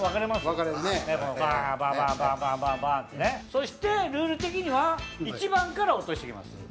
そしてルール的には１番から落としていきます。